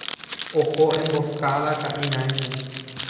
Oho Emboscada ka'irãime